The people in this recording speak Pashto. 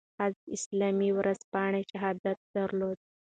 حزب اسلامي ورځپاڼه "شهادت" درلوده.